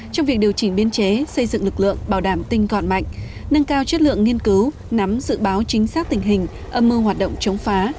trong việc điều chỉnh biên chế xây dựng lực lượng bảo đảm tinh còn mạnh nâng cao chất lượng nghiên cứu nắm dự báo chính xác tình hình âm mưu hoạt động chống phá